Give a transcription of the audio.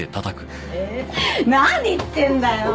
何言ってんだよ！